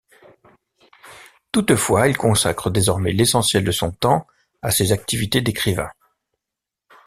Toutefois, il consacre désormais l’essentiel de son temps à ses activités d’écrivain.